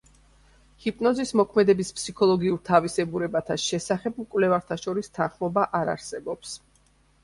ჰიპნოზის მოქმედების ფსიქოლოგიურ თავისებურებათა შესახებ მკვლევართა შორის თანხმობა არ არსებობს.